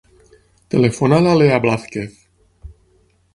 Telefona a la Lea Blazquez.